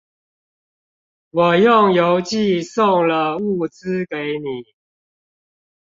我用郵寄送了物資給你